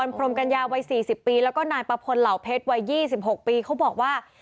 พรมกัญญาวัย๔๐ปีแล้วก็นายประพลเหล่าเพชรวัย๒๖ปีเขาบอกว่า